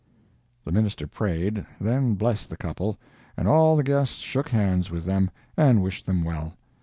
The minister prayed, then blessed the couple, and all the guests shook hands with them, and wished them well.